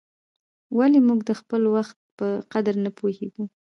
ولي موږ د خپل وخت په قدر نه پوهیږو؟